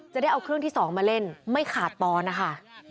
จะได้เอาเครื่องที่๒มาเล่นไม่ขาดตอนนะคะ